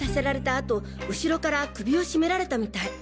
あと後ろから首を絞められたみたい。